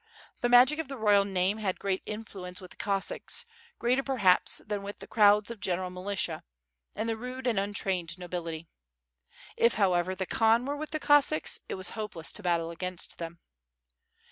The magic of the royal name had great influence with the Cossacks; greater perhaps than with the crowds of gen* era! milita, and the rude and untrained nobility. If, how ever, the Khan were with the Cossacks, it was hopeless to battle against them.